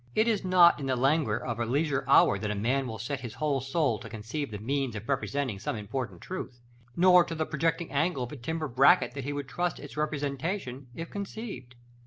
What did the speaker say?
It is not in the languor of a leisure hour that a man will set his whole soul to conceive the means of representing some important truth, nor to the projecting angle of a timber bracket that he would trust its representation, if conceived.